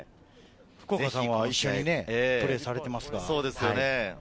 福岡さんは一緒にプレーされていますよね？